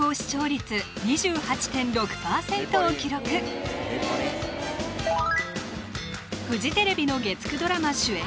よろしく」フジテレビの月９ドラマ主演